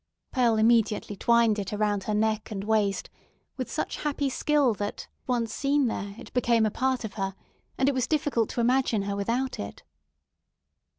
Pearl immediately twined it around her neck and waist with such happy skill, that, once seen there, it became a part of her, and it was difficult to imagine her without it.